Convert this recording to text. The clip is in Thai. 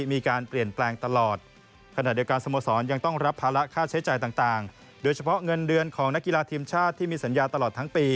มีการเปลี่ยนแปลงตลอด